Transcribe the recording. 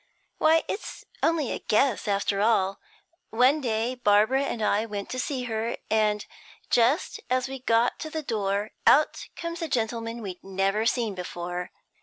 'Why, it's only a guess, after all. One day Barbara and I went to see her, and just as we got to the door, out comes a gentleman we'd never seen before.